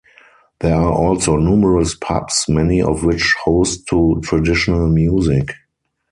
There are also numerous pubs, many of which host to traditional music.